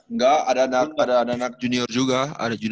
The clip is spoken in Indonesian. enggak ada anak junior juga di mes